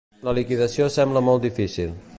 La liquidació sembla molt difícil.